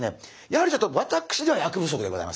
やはりちょっと私では役不足でございますね。